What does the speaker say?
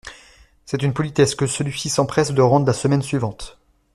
C’est une politesse que celui-ci s’empresse de rendre la semaine suivante…